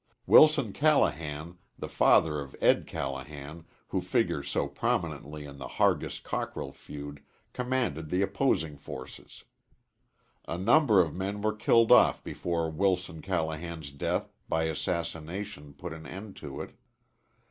Wilson Callahan, the father of Ed. Callahan, who figures so prominently in the Hargis Cockrell feud, commanded the opposing forces. A number of men were killed off before Wilson Callahan's death by assassination put an end to it.